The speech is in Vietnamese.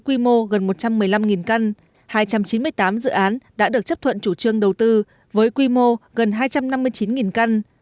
quy mô gần một trăm một mươi năm căn hai trăm chín mươi tám dự án đã được chấp thuận chủ trương đầu tư với quy mô gần hai trăm năm mươi chín căn